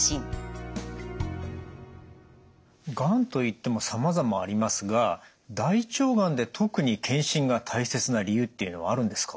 がんといってもさまざまありますが大腸がんで特に検診が大切な理由っていうのはあるんですか？